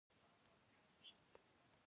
تابوگانې ماتې کړي